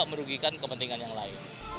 merugikan kepentingan yang lain